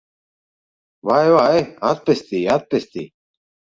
Vai, vai! Atpestī! Atpestī!